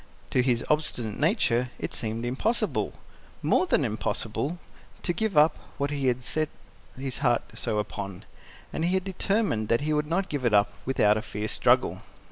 To his obstinate nature it seemed impossible more than impossible to give up what he had so set his heart upon. And he had determined that he would not give it up without a fierce struggle.